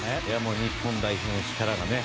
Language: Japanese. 日本代表の力がね。